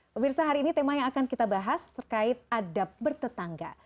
pemirsa hari ini tema yang akan kita bahas terkait adab bertetangga